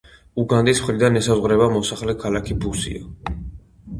უგანდის მხრიდან ესაზღვრება მოსახელე ქალაქი ბუსია.